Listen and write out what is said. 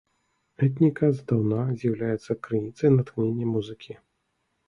Этніка здаўна з'яўляецца крыніцай натхнення музыкі.